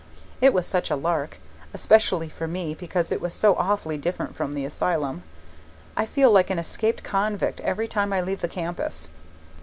It was such a lark! Especially for me, because it was so awfully different from the asylum I feel like an escaped convict every time I leave the campus.